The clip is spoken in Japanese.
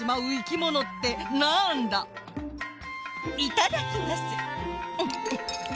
いただきます。